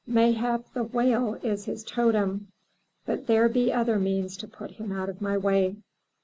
Mayhap the whale is his totem! But there be other means to put him out of my way."